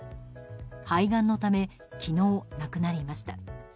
肺がんのため昨日、亡くなりました。